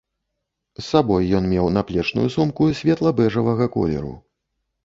З сабой ён меў наплечную сумку светла-бэжавага колеру.